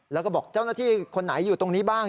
แล้วก็บอกเจ้าหน้าที่คนไหนอยู่ตรงนี้บ้าง